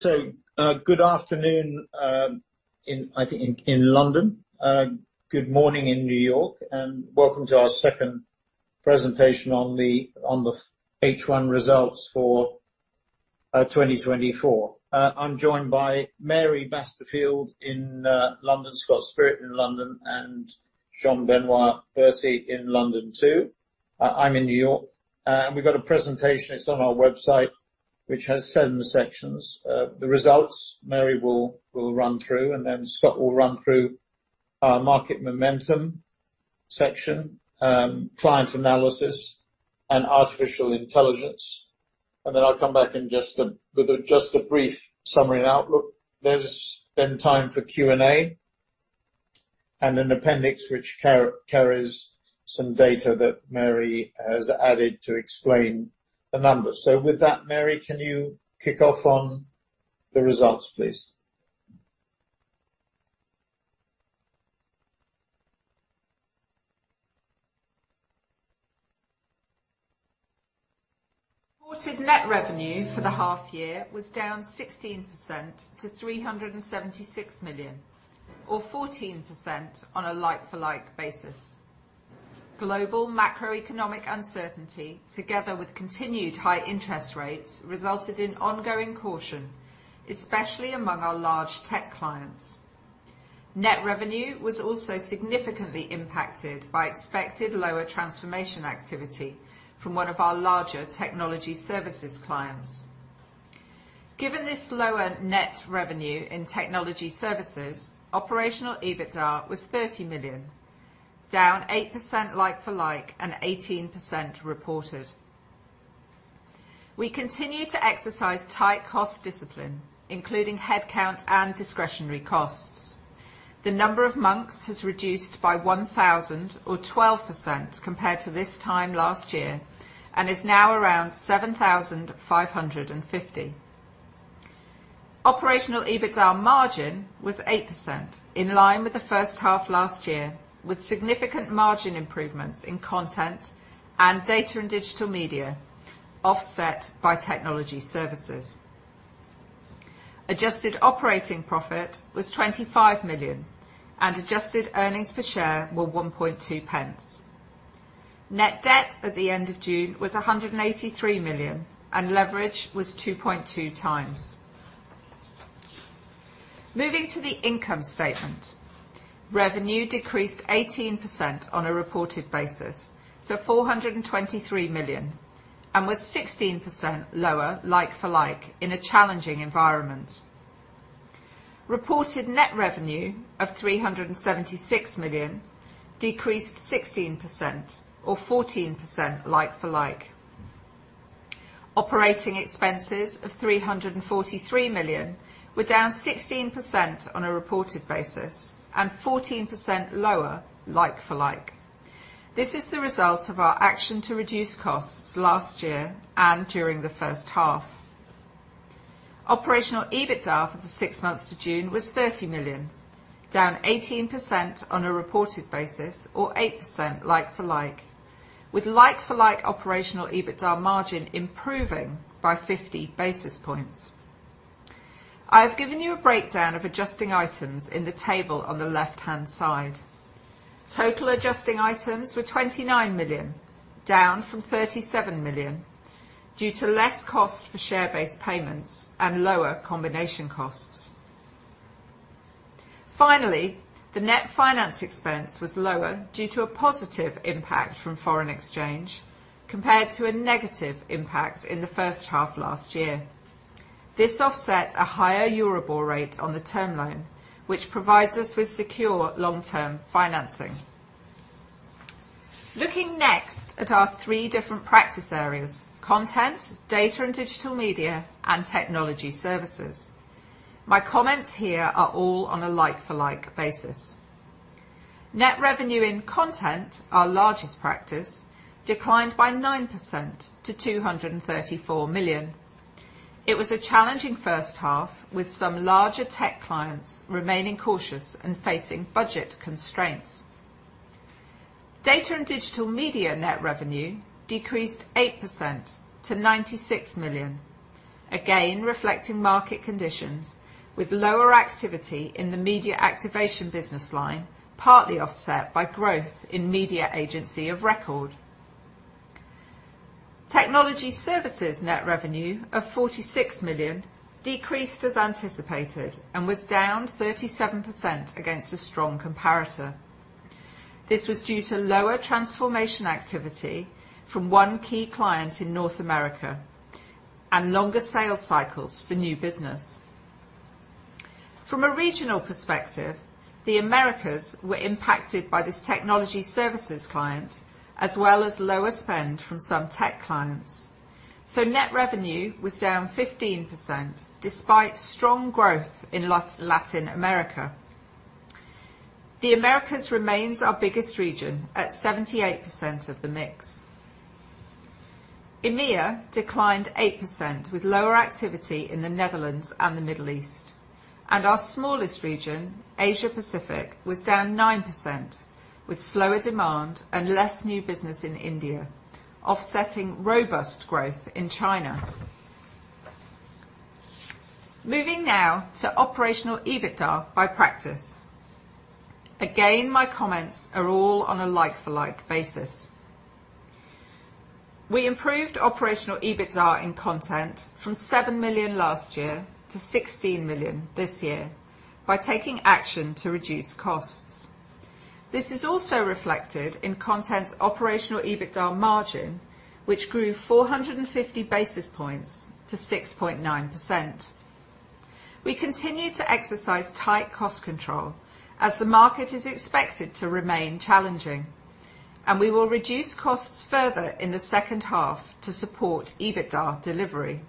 Good afternoon in London, I think. Good morning in New York, and welcome to our second presentation on the H1 results for 2024. I'm joined by Mary Basterfield in London, Scott Spirit in London, and Jean-Benoit Berty in London, too. I'm in New York, and we've got a presentation. It's on our website, which has seven sections. The results, Mary will run through, and then Scott will run through our market momentum section, client analysis and artificial intelligence, then I'll come back with a brief summary and outlook. There's then time for Q&A and an appendix, which carries some data that Mary has added to explain the numbers. With that, Mary, can you kick off on the results, please? Reported net revenue for the half year was down 16% to 376 million, or 14% on a like-for-like basis. Global macroeconomic uncertainty, together with continued high interest rates, resulted in ongoing caution, especially among our large tech clients. Net revenue was also significantly impacted by expected lower transformation activity from one of our larger Technology Services clients. Given this lower net revenue in Technology Services, operational EBITDA was 30 million, down 8% like-for-like and 18% reported. We continue to exercise tight cost discipline, including headcount and discretionary costs. The number of Monks has reduced by 1,000 or 12% compared to this time last year and is now around 7,550. Operational EBITDA margin was 8%, in line with the first half last year, with significant margin improvements in Content and Data and Digital Media, offset by Technology Services. Adjusted operating profit was 25 million, and adjusted earnings per share were 1.2 pence. Net debt at the end of June was 183 million, and leverage was 2.2 times. Moving to the income statement. Revenue decreased 18% on a reported basis, to 423 million, and was 16% lower like-for-like in a challenging environment. Reported net revenue of 376 million decreased 16% or 14% like-for-like. Operating expenses of 343 million were down 16% on a reported basis and 14% lower like-for-like. This is the result of our action to reduce costs last year and during the first half. Operational EBITDA for the six months to June was 30 million, down 18% on a reported basis or 8% like-for-like, with like-for-like operational EBITDA margin improving by 50 basis points. I've given you a breakdown of adjusting items in the table on the left-hand side. Total adjusting items were 29 million, down from 37 million, due to less cost for share-based payments and lower combination costs. Finally, the net finance expense was lower due to a positive impact from foreign exchange compared to a negative impact in the first half last year. This offset a higher Euribor rate on the term loan, which provides us with secure long-term financing. Looking next at our three different practice areas: Content, Data and Digital Media, and Technology Services. My comments here are all on a like-for-like basis. Net revenue in Content, our largest practice, declined by 9% to 234 million. It was a challenging first half, with some larger tech clients remaining cautious and facing budget constraints. Data and Digital Media net revenue decreased 8% to 96 million, again, reflecting market conditions, with lower activity in the media activation business line, partly offset by growth in media agency of record. Technology Services net revenue of 46 million decreased as anticipated and was down 37% against a strong comparator. This was due to lower transformation activity from one key client in North America and longer sales cycles for new business. From a regional perspective, the Americas were impacted by this Technology Services client, as well as lower spend from some tech clients. So net revenue was down 15%, despite strong growth in Latin America. The Americas remains our biggest region at 78% of the mix. EMEA declined 8%, with lower activity in the Netherlands and the Middle East, and our smallest region, Asia Pacific, was down 9%, with slower demand and less new business in India, offsetting robust growth in China. Moving now to operational EBITDA by practice. Again, my comments are all on a like-for-like basis. We improved operational EBITDA in Content from 7 million last year to 16 million this year by taking action to reduce costs. This is also reflected in Content's operational EBITDA margin, which grew four hundred and fifty basis points to 6.9%. We continue to exercise tight cost control as the market is expected to remain challenging, and we will reduce costs further in the second half to support EBITDA delivery.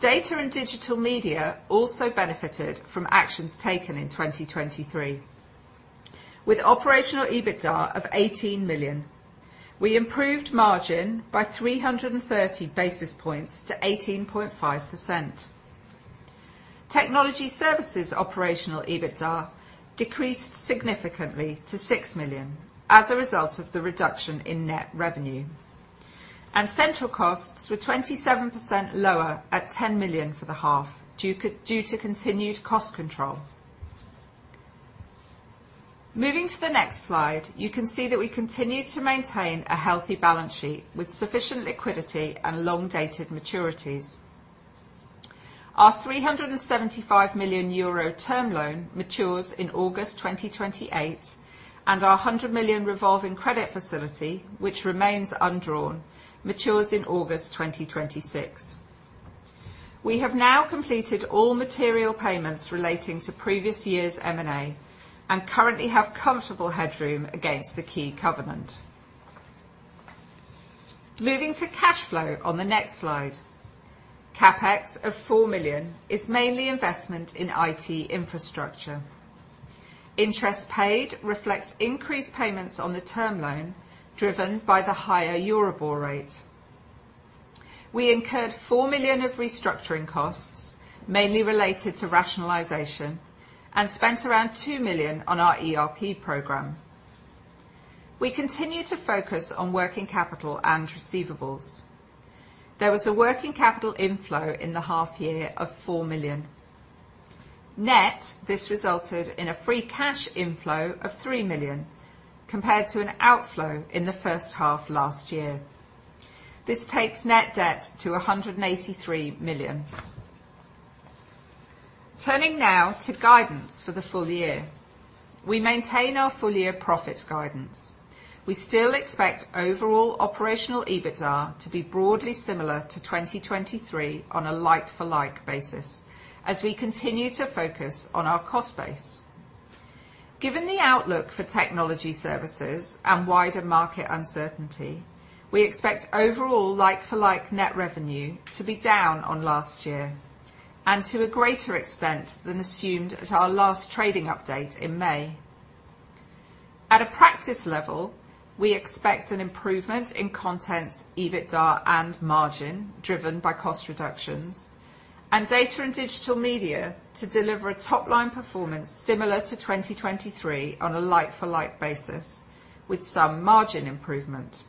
Data & Digital Media also benefited from actions taken in 2023. With operational EBITDA of 18 million, we improved margin by three hundred and thirty basis points to 18.5%. Technology Services' operational EBITDA decreased significantly to 6 million as a result of the reduction in net revenue, and central costs were 27% lower at 10 million for the half, due to continued cost control. Moving to the next slide, you can see that we continue to maintain a healthy balance sheet with sufficient liquidity and long-dated maturities. Our 375 million euro term loan matures in August 2028, and our 100 million revolving credit facility, which remains undrawn, matures in August 2026. We have now completed all material payments relating to previous years' M&A, and currently have comfortable headroom against the key covenant. Moving to cash flow on the next slide. CapEx of 4 million is mainly investment in IT infrastructure. Interest paid reflects increased payments on the term loan, driven by the higher Euribor rate. We incurred 4 million of restructuring costs, mainly related to rationalization, and spent around 2 million on our ERP program. We continue to focus on working capital and receivables. There was a working capital inflow in the half year of 4 million. Net, this resulted in a free cash inflow of 3 million compared to an outflow in the first half last year. This takes net debt to 183 million. Turning now to guidance for the full year. We maintain our full-year profit guidance. We still expect overall operational EBITDA to be broadly similar to 2023 on a like-for-like basis, as we continue to focus on our cost base. Given the outlook for Technology Services and wider market uncertainty, we expect overall like-for-like net revenue to be down on last year, and to a greater extent than assumed at our last trading update in May. At a practice level, we expect an improvement in Content's EBITDA and margin, driven by cost reductions, and Data and Digital Media to deliver a top-line performance similar to 2023 on a like-for-like basis, with some margin improvement.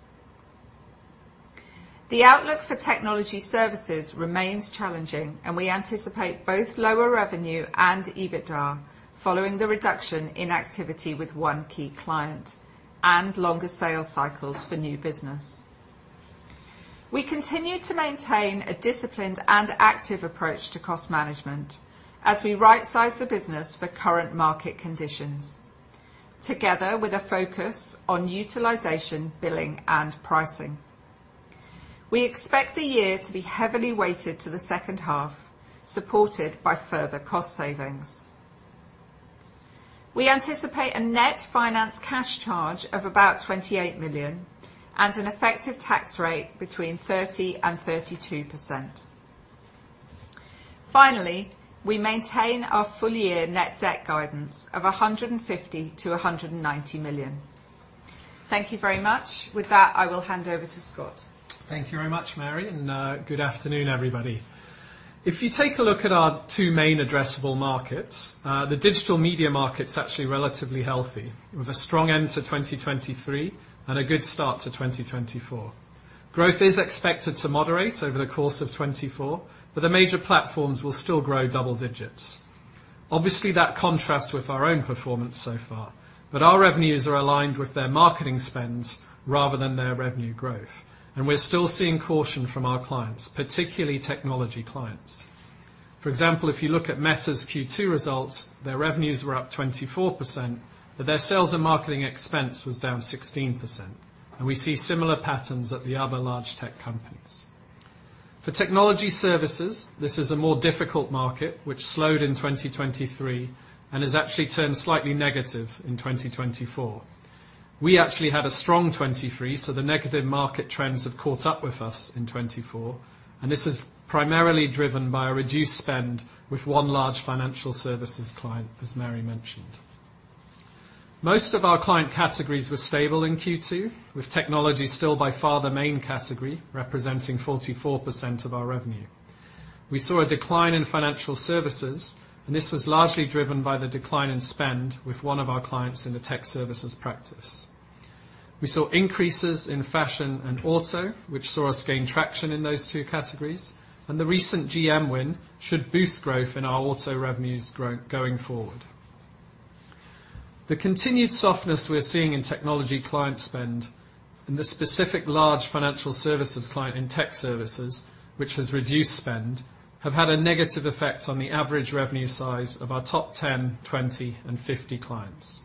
The outlook for Technology Services remains challenging, and we anticipate both lower revenue and EBITDA following the reduction in activity with one key client and longer sales cycles for new business. We continue to maintain a disciplined and active approach to cost management as we rightsize the business for current market conditions, together with a focus on utilization, billing, and pricing. We expect the year to be heavily weighted to the second half, supported by further cost savings. We anticipate a net finance cash charge of about 28 million and an effective tax rate between 30% and 32%. Finally, we maintain our full-year net debt guidance of 150 million-190 million. Thank you very much. With that, I will hand over to Scott. Thank you very much, Mary, and good afternoon, everybody. If you take a look at our two main addressable markets, the digital media market's actually relatively healthy, with a strong end to 2023 and a good start to 2024. Growth is expected to moderate over the course of 2024, but the major platforms will still grow double digits. Obviously, that contrasts with our own performance so far, but our revenues are aligned with their marketing spends rather than their revenue growth, and we're still seeing caution from our clients, particularly technology clients. For example, if you look at Meta's Q2 results, their revenues were up 24%, but their sales and marketing expense was down 16%, and we see similar patterns at the other large tech companies. For Technology Services, this is a more difficult market, which slowed in 2023 and has actually turned slightly negative in 2024. We actually had a strong 2023, so the negative market trends have caught up with us in 2024, and this is primarily driven by a reduced spend with one large financial services client, as Mary mentioned. Most of our client categories were stable in Q2, with technology still by far the main category, representing 44% of our revenue. We saw a decline in financial services, and this was largely driven by the decline in spend with one of our clients in the tech services practice. We saw increases in fashion and auto, which saw us gain traction in those two categories, and the recent GM win should boost growth in our auto revenues going forward. The continued softness we're seeing in technology client spend and the specific large financial services client in tech services, which has reduced spend, have had a negative effect on the average revenue size of our top 10, 20, and 50 clients.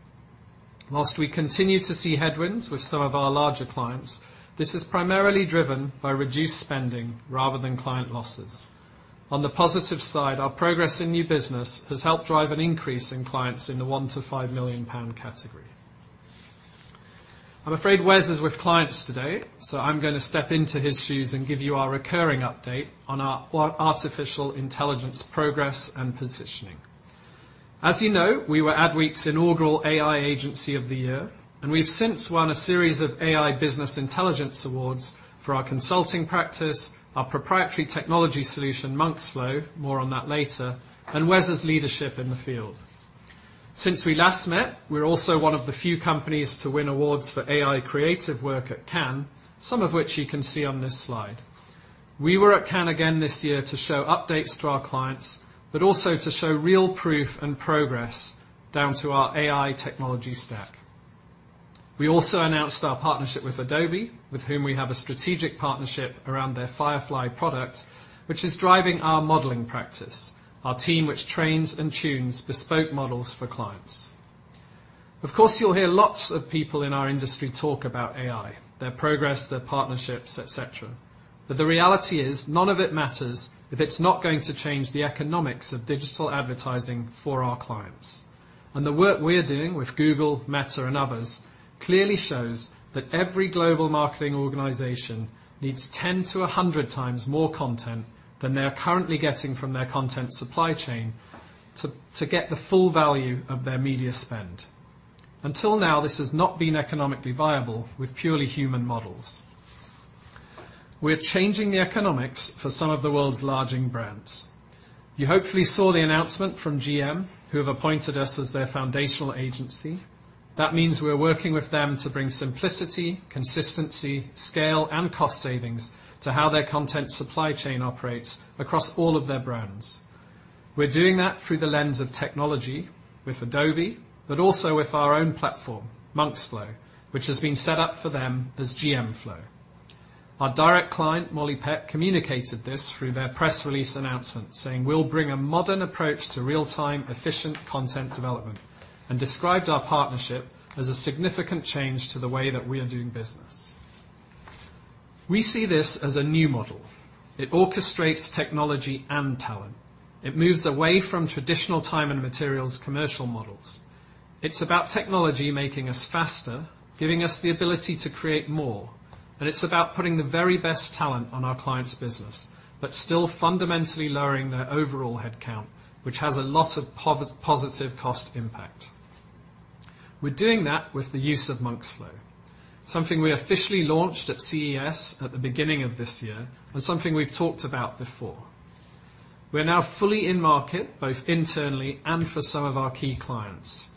While we continue to see headwinds with some of our larger clients, this is primarily driven by reduced spending rather than client losses. On the positive side, our progress in new business has helped drive an increase in clients in the one to five million pounds category. I'm afraid Wes is with clients today, so I'm going to step into his shoes and give you our recurring update on our artificial intelligence progress and positioning. As you know, we were Adweek's inaugural AI Agency of the Year, and we've since won a series of AI Business Intelligence Awards for our consulting practice, our proprietary technology solution, MonksFlow, more on that later, and Wes's leadership in the field. Since we last met, we're also one of the few companies to win awards for AI creative work at Cannes, some of which you can see on this slide. We were at Cannes again this year to show updates to our clients, but also to show real proof and progress down to our AI technology stack. We also announced our partnership with Adobe, with whom we have a strategic partnership around their Firefly product, which is driving our modeling practice, our team, which trains and tunes bespoke models for clients. Of course, you'll hear lots of people in our industry talk about AI, their progress, their partnerships, et cetera, but the reality is, none of it matters if it's not going to change the economics of digital advertising for our clients, and the work we're doing with Google, Meta, and others clearly shows that every global marketing organization needs 10 to 100 times more Content than they are currently getting from their Content supply chain to get the full value of their media spend. Until now, this has not been economically viable with purely human models. We're changing the economics for some of the world's largest brands. You hopefully saw the announcement from GM, who have appointed us as their foundational agency. That means we're working with them to bring simplicity, consistency, scale, and cost savings to how their Content supply chain operates across all of their brands. We're doing that through the lens of technology with Adobe, but also with our own platform, MonksFlow, which has been set up for them as GMFlow. Our direct client, Molly Peck, communicated this through their press release announcement, saying, "We'll bring a modern approach to real-time, efficient content development," and described our partnership as a significant change to the way that we are doing business. We see this as a new model. It orchestrates technology and talent. It moves away from traditional time and materials commercial models. It's about technology making us faster, giving us the ability to create more, and it's about putting the very best talent on our clients' business, but still fundamentally lowering their overall headcount, which has a lot of positive cost impact. We're doing that with the use of MonksFlow, something we officially launched at CES at the beginning of this year, and something we've talked about before. We're now fully in market, both internally and for some of our key clients.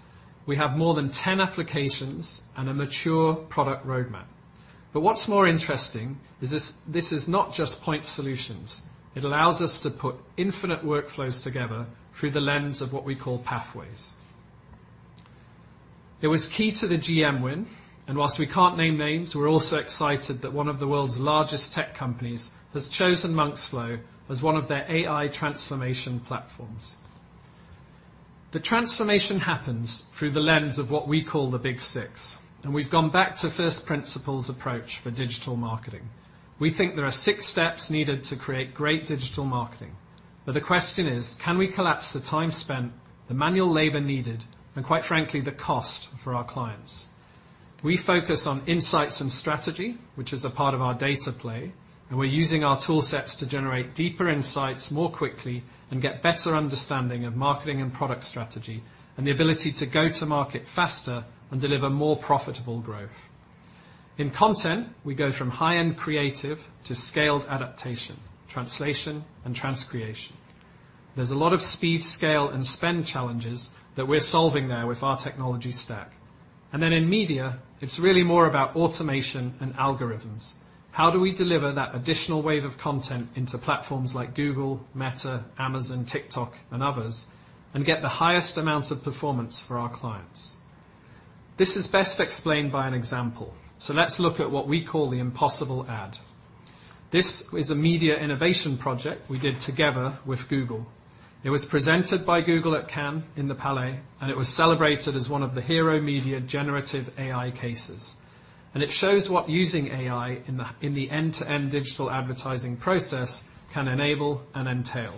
We have more than 10 applications and a mature product roadmap. But what's more interesting is this, this is not just point solutions. It allows us to put infinite workflows together through the lens of what we call pathways. It was key to the GM win, and while we can't name names, we're also excited that one of the world's largest tech companies has chosen MonksFlow as one of their AI transformation platforms. The transformation happens through the lens of what we call the Big Six, and we've gone back to first principles approach for digital marketing. We think there are six steps needed to create great digital marketing, but the question is, can we collapse the time spent, the manual labor needed, and quite frankly, the cost for our clients? We focus on insights and strategy, which is a part of our data play, and we're using our toolsets to generate deeper insights more quickly and get better understanding of marketing and product strategy, and the ability to go to market faster and deliver more profitable growth. In Content, we go from high-end creative to scaled adaptation, translation, and transcreation. There's a lot of speed, scale, and spend challenges that we're solving there with our technology stack. And then in media, it's really more about automation and algorithms. How do we deliver that additional wave of Content into platforms like Google, Meta, Amazon, TikTok, and others, and get the highest amount of performance for our clients? This is best explained by an example. So let's look at what we call the The Impossible Ad. This is a media innovation project we did together with Google. It was presented by Google at Cannes in the Palais, and it was celebrated as one of the hero media generative AI cases. And it shows what using AI in the end-to-end digital advertising process can enable and entail.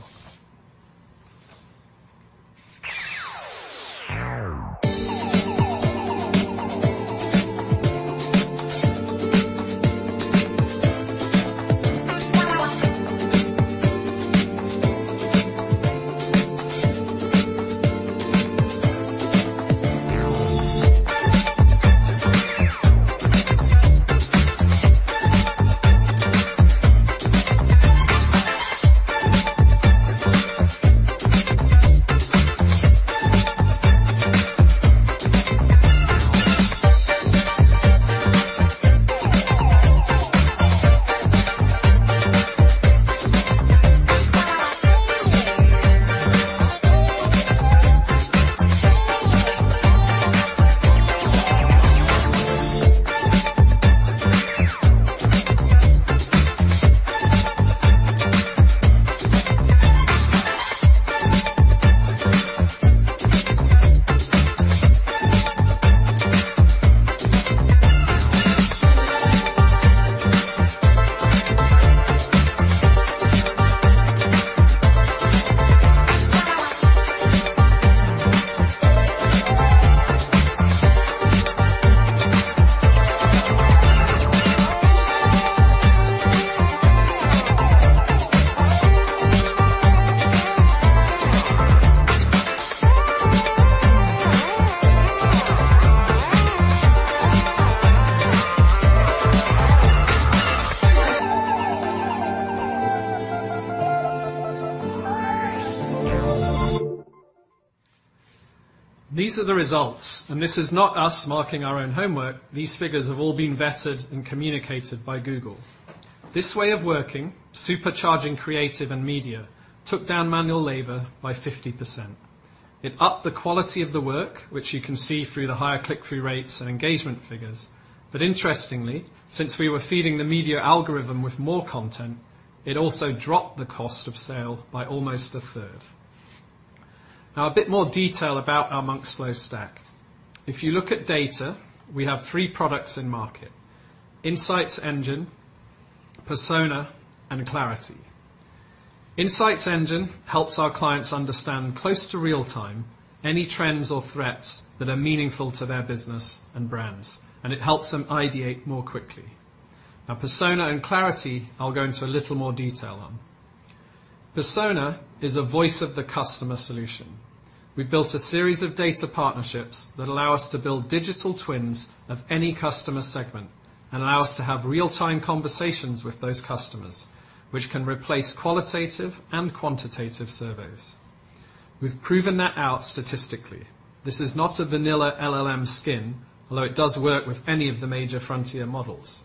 These are the results, and this is not us marking our own homework. These figures have all been vetted and communicated by Google. This way of working, supercharging creative and media, took down manual labor by 50%. It upped the quality of the work, which you can see through the higher click-through rates and engagement figures. But interestingly, since we were feeding the media algorithm with more Content, it also dropped the cost of sale by almost a third. Now, a bit more detail about our MonksFlow stack. If you look at data, we have three products in market: Insights Engine, Persona, and Clarity. Insights Engine helps our clients understand close to real-time any trends or threats that are meaningful to their business and brands, and it helps them ideate more quickly. Now, Persona and Clarity, I'll go into a little more detail on. Persona is a voice of the customer solution. We built a series of data partnerships that allow us to build digital twins of any customer segment and allow us to have real-time conversations with those customers, which can replace qualitative and quantitative surveys. We've proven that out statistically. This is not a vanilla LLM skin, although it does work with any of the major frontier models.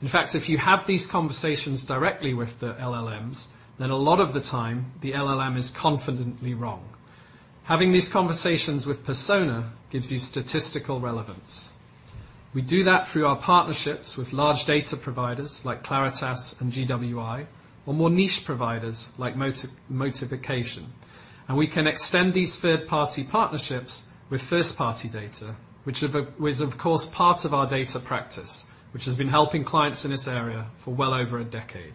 In fact, if you have these conversations directly with the LLMs, then a lot of the time, the LLM is confidently wrong. Having these conversations with Persona gives you statistical relevance. We do that through our partnerships with large data providers like Claritas and GWI, or more niche providers like Motivaction. And we can extend these third-party partnerships with first-party data, which was, of course, part of our data practice, which has been helping clients in this area for well over a decade.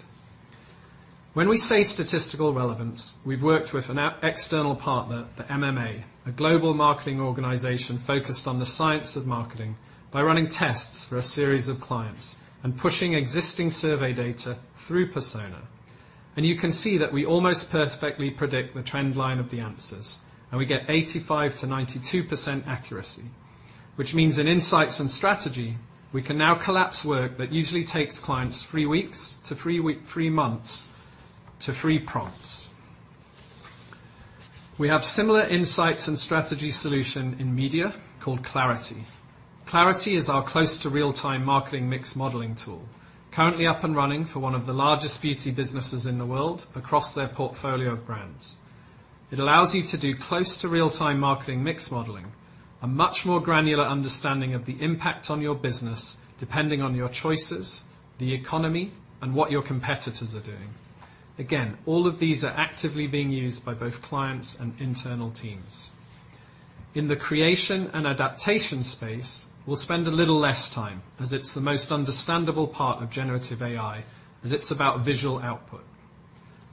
When we say statistical relevance, we've worked with an external partner, the MMA, a global marketing organization focused on the science of marketing, by running tests for a series of clients and pushing existing survey data through Persona. You can see that we almost perfectly predict the trend line of the answers, and we get 85%-92% accuracy, which means in insights and strategy, we can now collapse work that usually takes clients three weeks to three months to three prompts. We have similar insights and strategy solution in media called Clarity. Clarity is our close to real-time marketing mix modeling tool, currently up and running for one of the largest beauty businesses in the world across their portfolio of brands. It allows you to do close to real-time marketing mix modeling, a much more granular understanding of the impact on your business, depending on your choices, the economy, and what your competitors are doing. Again, all of these are actively being used by both clients and internal teams. In the creation and adaptation space, we'll spend a little less time, as it's the most understandable part of generative AI, as it's about visual output.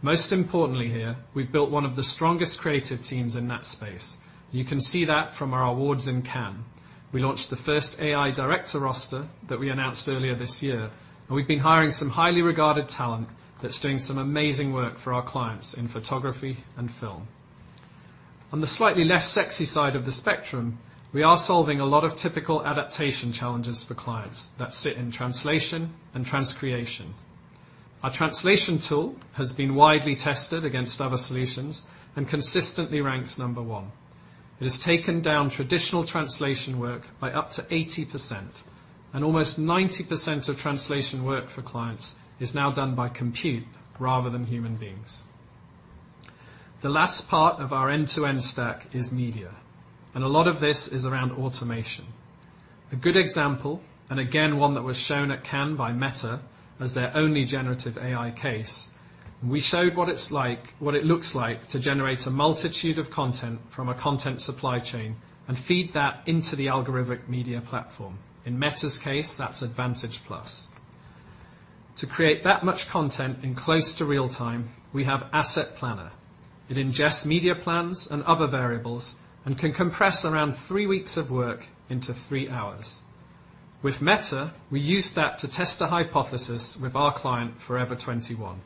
Most importantly here, we've built one of the strongest creative teams in that space. You can see that from our awards in Cannes. We launched the first AI director roster that we announced earlier this year, and we've been hiring some highly regarded talent that's doing some amazing work for our clients in photography and film. On the slightly less sexy side of the spectrum, we are solving a lot of typical adaptation challenges for clients that sit in translation and transcreation. Our translation tool has been widely tested against other solutions and consistently ranks number one. It has taken down traditional translation work by up to 80%, and almost 90% of translation work for clients is now done by compute rather than human beings. The last part of our end-to-end stack is media, and a lot of this is around automation. A good example, and again, one that was shown at Cannes by Meta as their only generative AI case, we showed what it looks like to generate a multitude of Content from a Content supply chain and feed that into the algorithmic media platform. In Meta's case, that's Advantage+. To create that much Content in close to real time, we have Asset Planner. It ingests media plans and other variables and can compress around three weeks of work into three hours. With Meta, we used that to test a hypothesis with our client, Forever 21.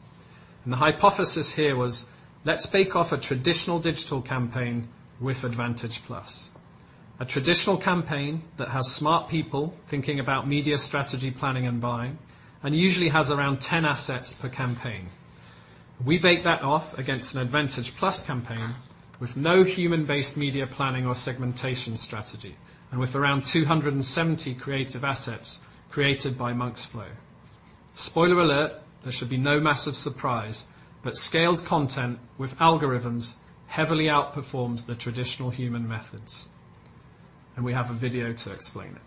The hypothesis here was, let's bake off a traditional digital campaign with Advantage+, a traditional campaign that has smart people thinking about media strategy, planning, and buying, and usually has around ten assets per campaign. We bake that off against an Advantage+ campaign with no human-based media planning or segmentation strategy, and with around 270 creative assets created by MonksFlow. Spoiler alert, there should be no massive surprise, but scaled content with algorithms heavily outperforms the traditional human methods, and we have a video to explain it.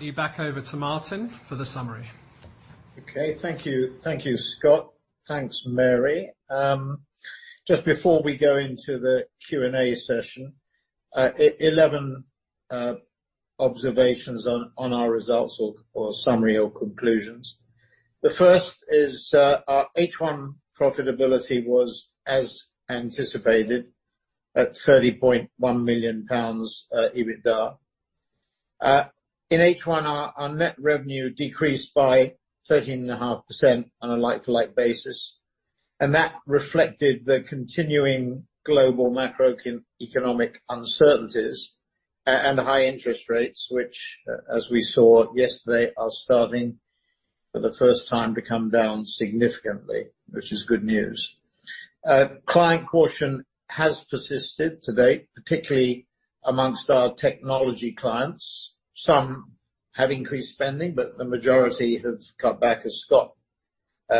With that, I'll hand you back over to Martin for the summary. Okay, thank you. Thank you, Scott. Thanks, Mary. Just before we go into the Q&A session, 11 observations on our results or summary or conclusions. The first is, our H1 profitability was as anticipated, at 30.1 million pounds EBITDA. In H1, our net revenue decreased by 13.5% on a like-for-like basis, and that reflected the continuing global macroeconomic uncertainties and high interest rates, which, as we saw yesterday, are starting for the first time to come down significantly, which is good news. Client caution has persisted to date, particularly among our technology clients. Some have increased spending, but the majority have cut back, as Scott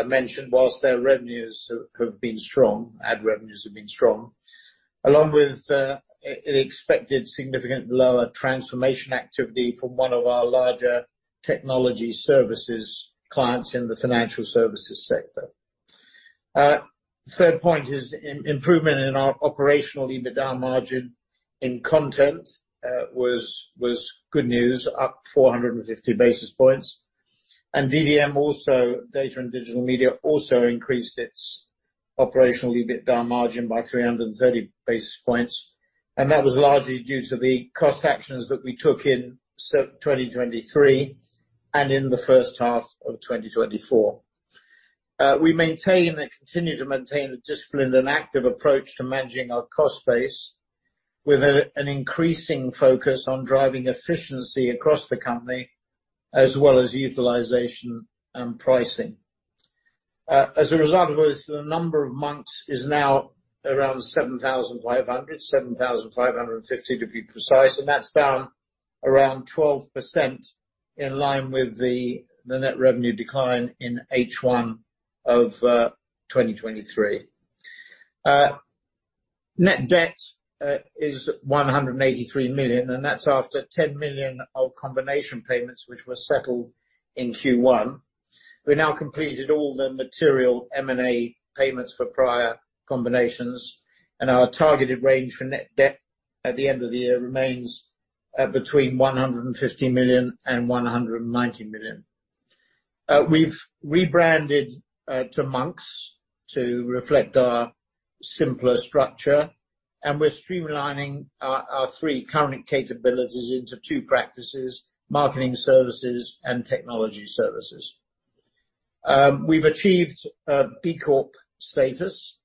mentioned, while their revenues have been strong. Ad revenues have been strong, along with an expected significant lower transformation activity from one of our larger Technology Services clients in the financial services sector. Third point is improvement in our operational EBITDA margin in Content was good news, up four hundred and fifty basis points. And DDM, Data and Digital Media, increased its operational EBITDA margin by three hundred and thirty basis points, and that was largely due to the cost actions that we took in 2023 and in the first half of 2024. We maintain and continue to maintain a disciplined and active approach to managing our cost base, with an increasing focus on driving efficiency across the company, as well as utilization and pricing. As a result of this, the number of Monks is now around 7,500, 7,550 to be precise, and that's down around 12% in line with the net revenue decline in H1 of 2023. Net debt is 183 million, and that's after 10 million of combination payments, which were settled in Q1. We now completed all the material M&A payments for prior combinations, and our targeted range for net debt at the end of the year remains at between 150 million and 190 million. We've rebranded to Monks to reflect our simpler structure, and we're streamlining our three current capabilities into two practices: Marketing Services and Technology Services. We've achieved a B Corp status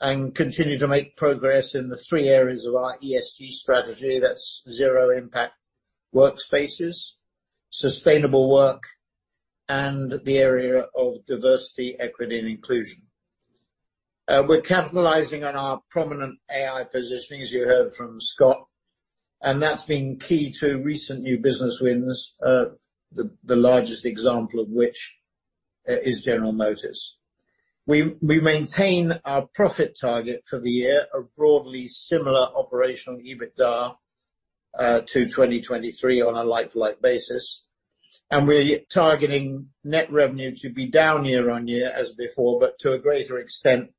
and continue to make progress in the three areas of our ESG strategy. That's zero impact workspaces, sustainable work, and the area of diversity, equity, and inclusion. We're capitalizing on our prominent AI positioning, as you heard from Scott, and that's been key to recent new business wins. The largest example of which is General Motors. We maintain our profit target for the year, a broadly similar operational EBITDA to 2023 on a like-for-like basis, and we're targeting net revenue to be down year on year as before, but to a greater extent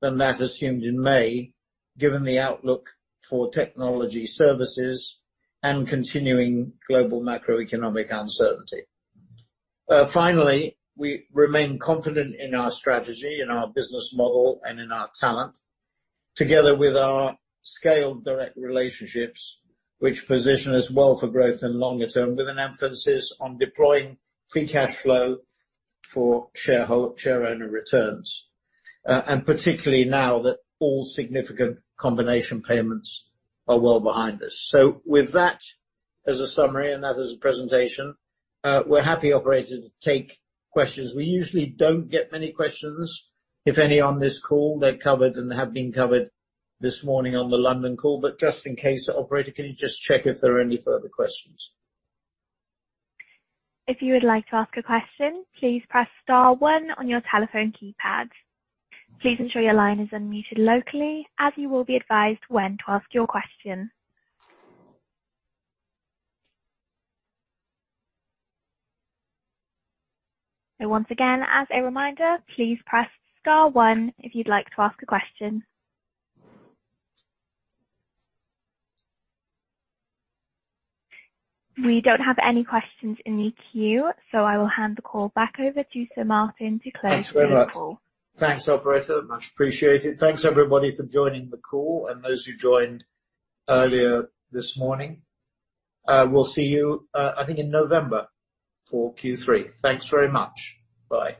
than that assumed in May, given the outlook for Technology Services and continuing global macroeconomic uncertainty. Finally, we remain confident in our strategy, in our business model, and in our talent, together with our scaled direct relationships, which position us well for growth and longer term, with an emphasis on deploying free cash flow for shareowner returns, and particularly now that all significant combination payments are well behind us. With that, as a summary, and that as a presentation, we're happy, operator, to take questions. We usually don't get many questions, if any, on this call. They're covered and have been covered this morning on the London call, but just in case, operator, can you just check if there are any further questions? If you would like to ask a question, please press star one on your telephone keypad. Please ensure your line is unmuted locally as you will be advised when to ask your question. And once again, as a reminder, please press star one if you'd like to ask a question. We don't have any questions in the queue, so I will hand the call back over to Sir Martin to close the call. Thanks very much. Thanks, operator. Much appreciated. Thanks, everybody, for joining the call and those who joined earlier this morning. We'll see you, I think, in November for Q3. Thanks very much. Bye.